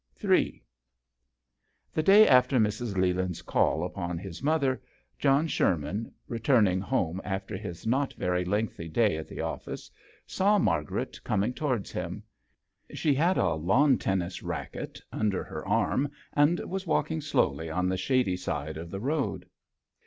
III. [HE day after Mrs. In land's call upon his mother, John Sher man, returning home after his not very lengthy day in the office, saw Margaret coming towards him. She had a lawn tennis racket under her arm, and was walking slowly on the shady side of the road.